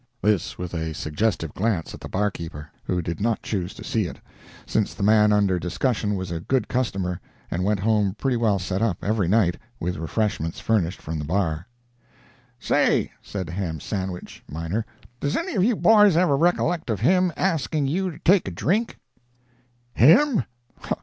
This with a suggestive glance at the barkeeper, who did not choose to see it, since the man under discussion was a good customer, and went home pretty well set up, every night, with refreshments furnished from the bar. "Say," said Ham Sandwich, miner, "does any of you boys ever recollect of him asking you to take a drink?" "Him?